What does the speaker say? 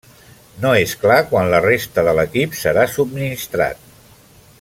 No és clar quan la resta de l'equip serà subministrat.